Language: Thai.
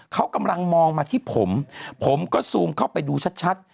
เขากำลังมองมาที่ผมผมก็ซูมเข้าไปดูชัด